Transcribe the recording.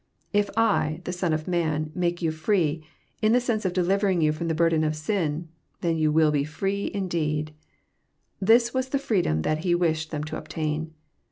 '' If I, the Son of man, make yoa tree, in the sense of delivering you flrom the burden of sin, then you will be tree Indeed I " This was the freedom that He wished them to obtain.